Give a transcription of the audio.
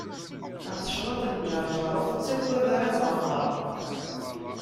Ɣer tecḍaṭ n ǧeṛǧeṛ, ur tettagad ara aẓaɣaṛ.